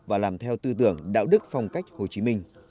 và làm theo tư tưởng đạo đức phong cách hồ chí minh